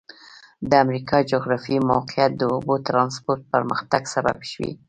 د امریکا جغرافیایي موقعیت د اوبو ترانسپورت پرمختګ سبب شوی.